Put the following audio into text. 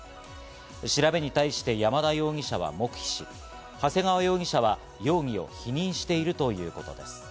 調べに対して山田容疑者は黙秘し、長谷川容疑者は容疑を否認しているということです。